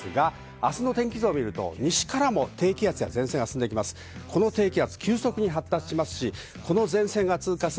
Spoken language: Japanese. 明日の天気図を見ると、西からも低気圧や前線が進んできます。